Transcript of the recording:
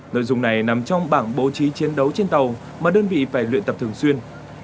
nội dung này nằm trong bảng bố trí chiến đấu trên tàu mà đơn vị phải luyện tập thường xuyên